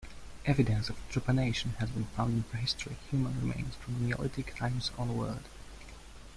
Evidence of trepanation has been found in prehistoric human remains from Neolithic times onward.